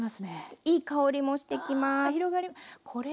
いい香りもしてきます。